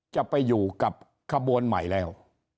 จะไปอยู่กับขบวนใหม่แล้ว